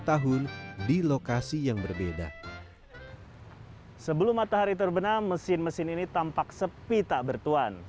tahun di lokasi yang berbeda sebelum matahari terbenam mesin mesin ini tampak sepi tak bertuan